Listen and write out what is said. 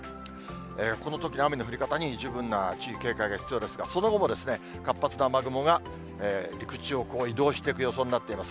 このときの雨の降り方に十分な注意、警戒が必要ですが、その後も活発な雨雲が陸地を移動していく予想となっています。